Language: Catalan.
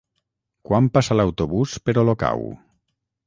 Quan passa l'autobús per Olocau?